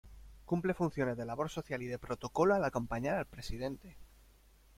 Cumple funciones de labor social y de protocolo al acompañar al Presidente.